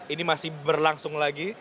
ini masih berlangsung lagi